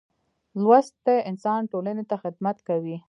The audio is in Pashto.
لوستی انسان ټولنې ته خدمت کوي.